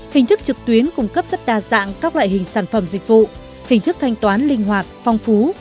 hình thức trực tuyến cung cấp rất đa dạng các loại hình sản phẩm dịch vụ hình thức thanh toán linh hoạt phong phú